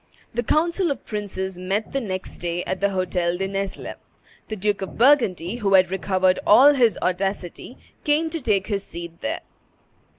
The council of princes met the next day at the Hotel de Nesle. The Duke of Burgundy, who had recovered all his audacity, came to take his seat there.